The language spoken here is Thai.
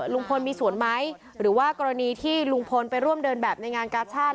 ลุงพลมีส่วนไหมหรือว่ากรณีที่ลุงพลไปร่วมเดินแบบในงานกาชาติ